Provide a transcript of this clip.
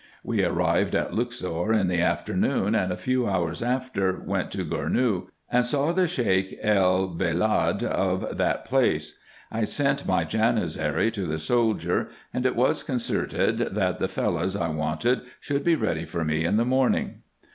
We arrived at Luxor in the afternoon, and a few hours after went to Gournou, and saw the Sheik el bellad of that IN EGYPT, NUBIA, &c. 131 place. I sent my Janizary to the soldier, and it was concerted, that the Fellahs I wanted should be ready for me in the morning.